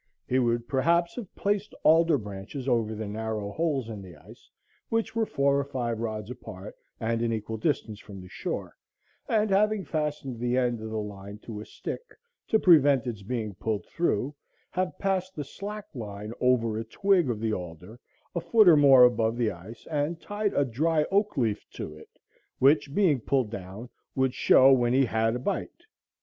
He would perhaps have placed alder branches over the narrow holes in the ice, which were four or five rods apart and an equal distance from the shore, and having fastened the end of the line to a stick to prevent its being pulled through, have passed the slack line over a twig of the alder, a foot or more above the ice, and tied a dry oak leaf to it, which, being pulled down, would show when he had a bite.